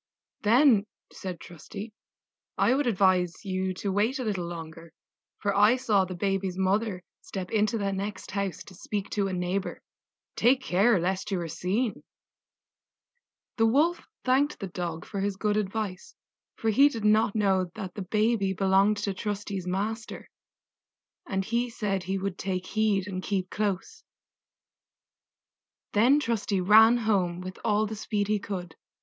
"Then," said Trusty, "I would advise you to wait a little longer, for I saw the baby's mother step into the next house to speak to a neighbor: take care lest you are seen." The Wolf thanked the Dog for his good advice, for he did not know that the baby belonged to Trusty's master; and he said he would take heed and keep close. Then Trusty ran home with all the speed he could.